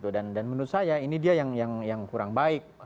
dan menurut saya ini dia yang kurang baik